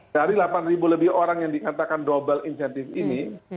dari delapan lebih orang yang dikatakan double incentive ini